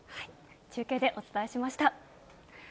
中継でお伝えしました。